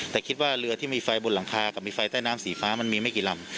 แต่คิดว่าเรือที่มีไฟบนหลังคากับมีไฟใต้น้ำสีฟ้ามันมีไม่กี่ลำ